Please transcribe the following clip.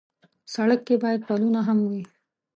سړک کې باید پلونه هم وي.